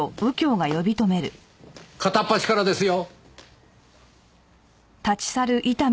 片っ端からですよ。